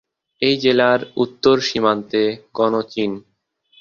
এই জেলার উত্তর সীমান্তে গণচীন।